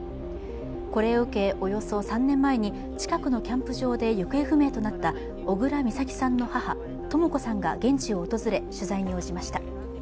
これを受け、およそ３年前に近くのキャンプ場で行方不明となった小倉美咲さんの母・とも子さんが現地を訪れ取材に応じました。